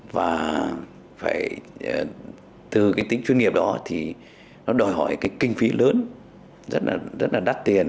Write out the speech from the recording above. và từ tính chuyên nghiệp đó nó đòi hỏi kinh phí lớn rất là đắt tiền